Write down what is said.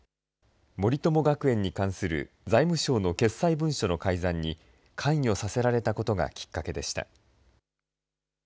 森友学園に関する財務省の決裁文書の改ざんに、関与させられたことがきっかけでした。